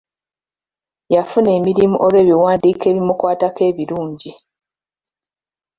Yafuna emirimu olw'ebiwandiiko ebimukwatako ebirungi.